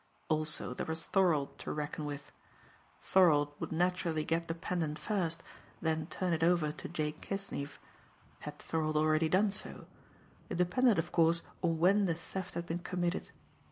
Also there was Thorold to reckon with. Thorold would naturally get the pendant first, then turn it over to Jake Kisnieff. Had Thorold already done so? It depended, of course, on when the theft had been committed.